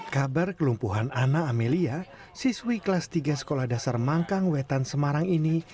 kabar kelumpuhan ana amelia siswi kelas tiga sekolah dasar mangkang wetan semarang ini